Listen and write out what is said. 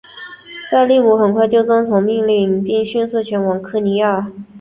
塞利姆很快就遵从命令并迅速前往科尼亚。